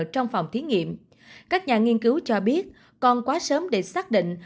trong phòng thí nghiệm các nhà nghiên cứu cho biết còn quá sớm để xác định